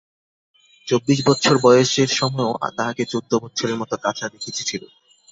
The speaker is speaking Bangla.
চব্বিশবৎসর বয়সের সময়ও তাহাকে চৌদ্দবৎসরের মতো কাঁচা দেখিতে ছিল।